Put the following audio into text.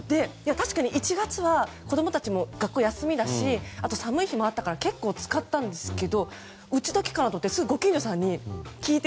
確かに１月は子供たちも学校休みだしあと、寒い日もあったから結構使ったんですがうちだけかなと思ってすぐにご近所さんに聞いて。